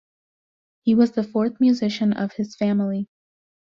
He was the fourth musician of his family.